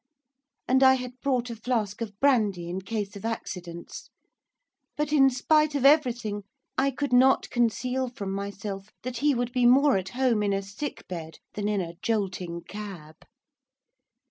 and I had brought a flask of brandy in case of accidents, but, in spite of everything, I could not conceal from myself that he would be more at home in a sick bed than in a jolting cab.